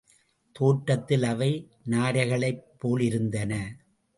தோற்றத்தில் அவை நாரைகளைப் போலிருந்தன.